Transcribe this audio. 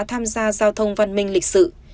tham gia giao thông văn minh lịch sử